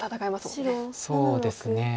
そうですね。